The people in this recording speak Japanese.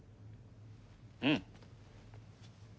うん。